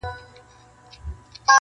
خدای بېشکه مهربان او نګهبان دی-